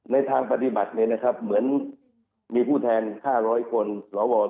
ในทางปฏิบัตินี่นะครับเหมือนมีผู้แทน๕๐๐คนหล่อวอ๒๕๐